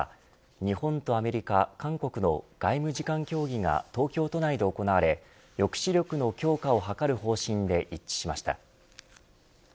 日本とアメリカ、韓国の外務次官協議が東京都内で行われ抑止力の強化を図る方針で一致しました。